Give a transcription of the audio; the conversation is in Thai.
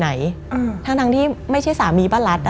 มันกลายเป็นรูปของคนที่กำลังขโมยคิ้วแล้วก็ร้องไห้อยู่